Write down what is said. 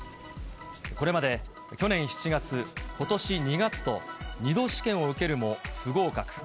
これまで去年７月、ことし２月と、２度試験を受けるも、不合格。